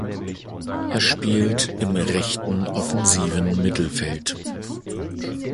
Er spielt im rechten offensiven Mittelfeld.